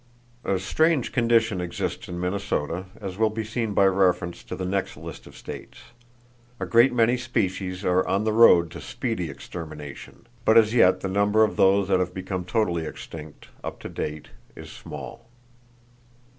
A strange condition exists in Minnesota, as will be seen by reference to the next list of states. A great many species are on the road to speedy extermination; but as yet the number of those that have become totally extinct up to date is small.